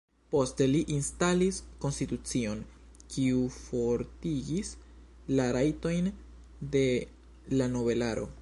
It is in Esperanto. Poste li instalis konstitucion, kiu fortigis la rajtojn de la nobelaro.